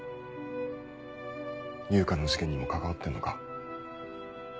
悠香の事件にも関わってんのか？